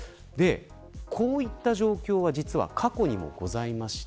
こういった状況は実は過去にもございました。